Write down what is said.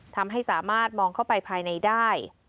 ทำให้สามารถมองเข้าไปภายในได้